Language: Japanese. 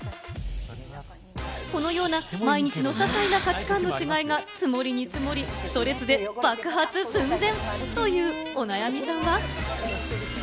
このような毎日のささいな価値観の違いが積もりに積もり、ストレスで爆発寸前。